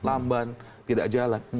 lambat tidak jalan